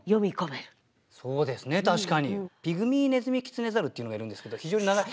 ピグミーネズミキツネザルっていうのがいるんですけど非常に長い。